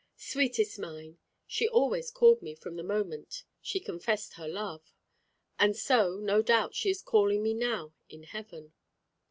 "Sweetest mine," she always called me from the moment she confessed her love; and so, no doubt, she is calling me now in heaven.